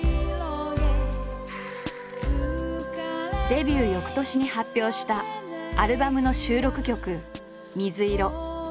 デビュー翌年に発表したアルバムの収録曲「水色」。